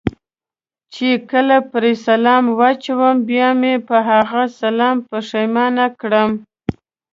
چې کله پرې سلام واچوم بیا مې په هغه سلام پښېمانه کړم.